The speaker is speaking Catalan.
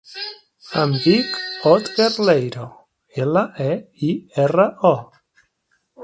Em dic Otger Leiro: ela, e, i, erra, o.